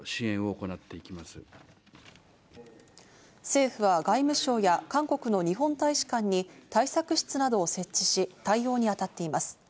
政府は外務省や韓国の日本大使館に対策室などを設置し、対応にあたっています。